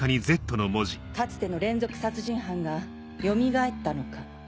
かつての連続殺人犯がよみがえったのか？